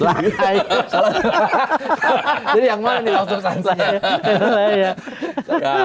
jadi yang mana nih langsung sasar